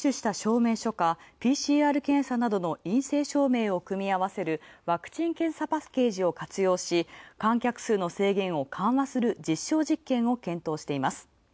政府はワクチンを２回接種証明書かＰＣＲ検査などの陰性証明を組み合わせるワクチン・検査パッケージを活用し、観客数の制限を緩和する実証実験を検討しています。